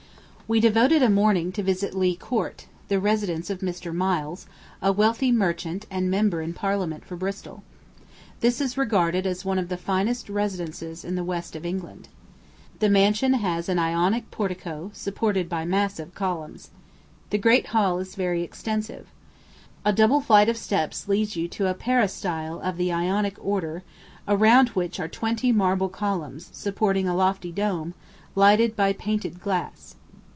We devoted a morning to visit Leigh Court, the residence of Mr. Miles, a wealthy merchant and member in Parliament for Bristol. This is regarded as one of the finest residences in the west of England. The mansion has an Ionic portico, supported by massive columns. The great hall is very extensive. A double flight of steps leads you to a peristyle of the Ionic order, around which are twenty marble columns, supporting a lofty dome, lighted by painted glass.